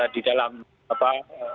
di dalam apa